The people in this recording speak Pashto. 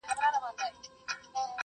هره ورځ یې په لېدلو لکه ګل تازه کېدمه ,